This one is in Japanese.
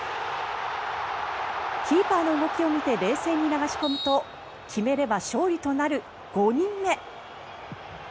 キーパーの動きを見て冷静に流し込むと決めれば勝利となる５人目。